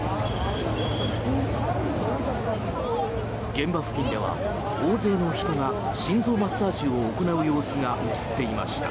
現場付近では大勢の人が心臓マッサージを行う様子が映っていました。